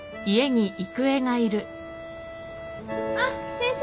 あっ先生。